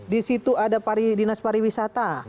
di situ ada dinas pariwisata